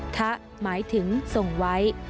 ทะหมายถึงส่งไว้